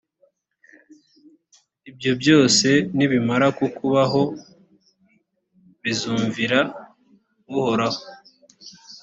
ibyo byose nibimara kukubaho bizmvira uhoraho,